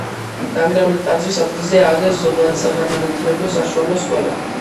დანგრეული ტაძრის ადგილზე ააგეს ზოგადსაგანმანათლებლო საშუალო სკოლა.